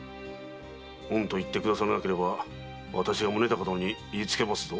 「うん」と言ってくださらなければ私が宗尭殿に言いつけますぞ。